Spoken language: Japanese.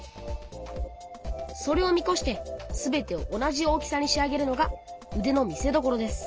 それを見こしてすべてを同じ大きさに仕上げるのがうでの見せどころです。